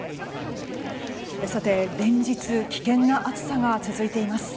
さて、連日危険な暑さが続いています。